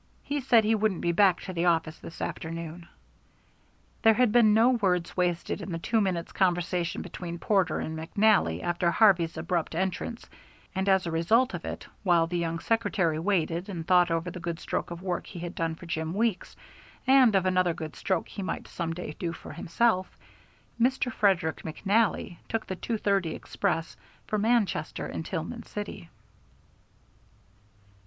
He said he wouldn't be back to the office this afternoon." There had been no words wasted in the two minutes' conversation between Porter and McNally after Harvey's abrupt entrance, and as a result of it, while the young secretary waited and thought over the good stroke of work he had done for Jim Weeks and of another good stroke he might some day do for himself, Mr. Frederick McNally took the two thirty express for Manchester and Tillman City.